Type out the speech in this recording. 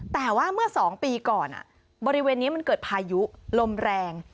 แต่ว่าเมื่อ๒ปีก่อนบริเวณนี้มันเกิดพายุลมแรง